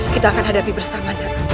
kita akan hadapi bersama